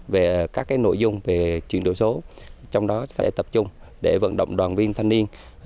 về các nội dung về chuyển đổi số trong đó sẽ tập trung để vận động đoàn viên thanh niên